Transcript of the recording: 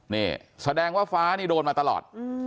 นี่แสดงว่าฟ้านี่โดนมาตลอด